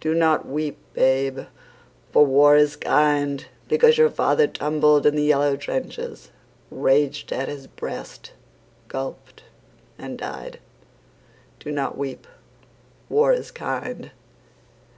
Do not weep, babe, for war is kind. Because your father tumbled in the yellow trenches, Raged at his breast, gulped and died, Do not weep. War is kind.